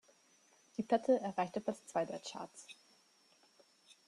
Die Platte erreichte Platz zwei der Charts.